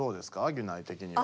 ギュナイ的には。